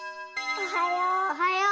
おはよう。